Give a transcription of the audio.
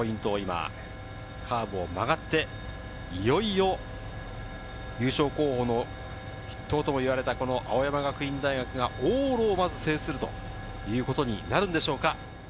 元箱根のポイントをカーブを曲がって、いよいよ優勝候補の筆頭とも言われた青山学院大学が往路をまず制するということになるでしょうか。